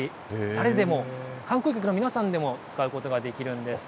誰でも、観光客の皆さんでも使うことができるんです。